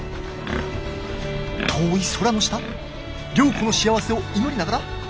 遠い空の下、良子の幸せを祈りながら。